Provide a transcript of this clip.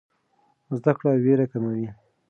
زده کړه ویره کموي.